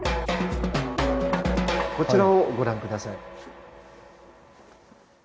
こちらをご覧下さい。